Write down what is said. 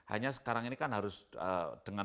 hanya sekarang ini kan harus dengan